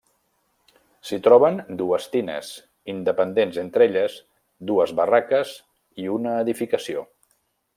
S'hi troben dues tines, independents entre elles, dues barraques i una edificació.